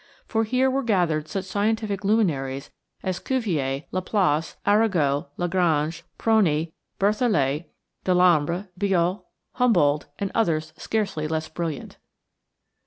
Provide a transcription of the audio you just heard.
For here were gathered such scientific luminaries as Cuvier, Laplace, Arago, Lagrange, Prony, Berthollet, Delambre, Biot, Humboldt, and others scarcely less brilliant.